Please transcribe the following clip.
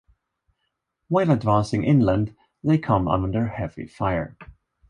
While advancing inland, they come under heavy fire.